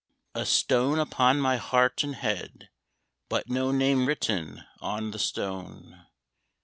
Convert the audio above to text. A stone upon my heart and head, But no name written on the stone!